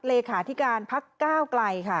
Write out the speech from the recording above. เลขาธิการพักก้าวไกลค่ะ